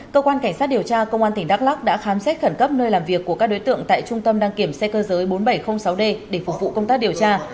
cơ quan cảnh sát điều tra công an tỉnh đắk lắc đã khám xét khẩn cấp nơi làm việc của các đối tượng tại trung tâm đăng kiểm xe cơ giới bốn nghìn bảy trăm linh sáu d để phục vụ công tác điều tra